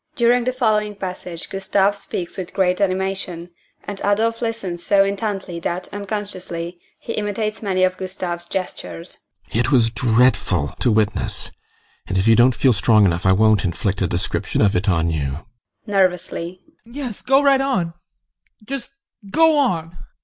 [During the following passage GUSTAV speaks with great animation, and ADOLPH listens so intently that, unconsciously, he imitates many of GUSTAV'S gestures.] GUSTAV. It was dreadful to witness, and if you don't feel strong enough I won't inflict a description of it on you. ADOLPH. Yes, go right on just go on!